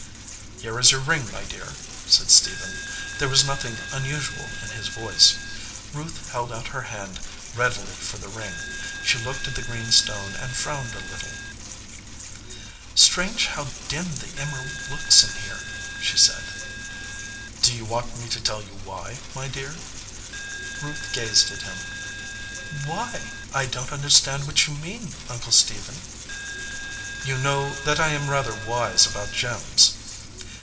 "Here is your ring, my dear/ said Stephen. There was nothing unusual in his voice. Ruth held out her hand readily for the ring. She looked at the green stone and frowned a little. "Strange how dim the emerald looks in here/ 7 she said. "Do you want me to tell you why, my dear?" Ruth gazed at him. "Why ? I don t understand what you mean, Uncle Stephen." "You know that I am rather wise about gems?"